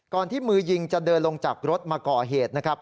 ที่มือยิงจะเดินลงจากรถมาก่อเหตุนะครับ